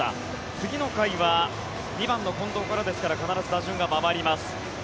次の回は２番の近藤からですから必ず打順が回ります。